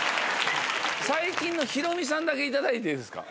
最近のヒロミさんだけ頂いていいですか？